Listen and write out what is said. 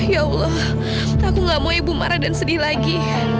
ya allah aku gak mau ibu marah dan sedih lagi